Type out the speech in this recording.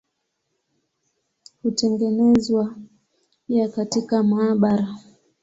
Hutengenezwa pia katika maabara.